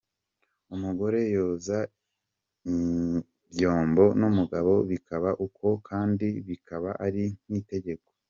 Umugore yoza ibyombo n’ umugabo bikaba uko kandi bikaba ari nk’ itegeko.